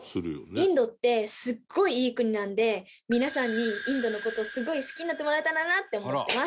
インドってすごいいい国なんで皆さんにインドの事をすごい好きになってもらえたらなって思ってます。